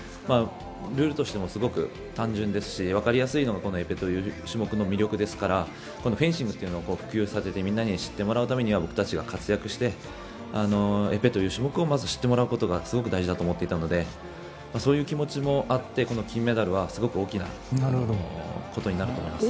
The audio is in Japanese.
ルールとしてもすごく単純ですし分かりやすいのがエペという種目の魅力ですからフェンシングを普及させてみんなに知ってもらうためには僕らが活躍してエペという種目をまず知ってもらうことが大事だと思っていたのでそういう気持ちもあって金メダルはすごく大きなことになると思います。